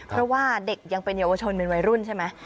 เพราะว่าเด็กยังเป็นเยาวชนเป็นวัยรุ่นใช่ไหม